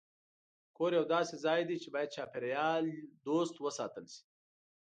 کور یو داسې ځای دی چې باید چاپېریال دوست وساتل شي.